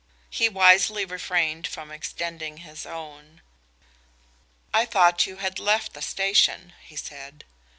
He wisely refrained from extending his own. "I thought you had left the station," he said.